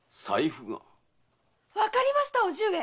わかりました叔父上！